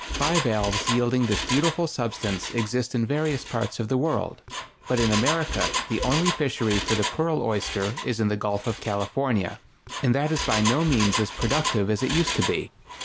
Bivalves yielding this beautiful substance exist in various parts of the world; but in America the only fishery for the pearl oyster is in the Gulf of California, and that is by no means as productive as it used to be.